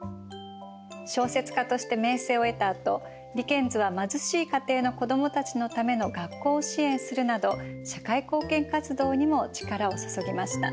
小説家として名声を得たあとディケンズは貧しい家庭の子どもたちのための学校を支援するなど社会貢献活動にも力を注ぎました。